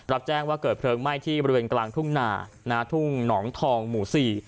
รับแจ้งว่าเกิดเพลิงไหม้ที่บริเวณกลางทุ่งนาทุ่งหนองทองหมู่สี่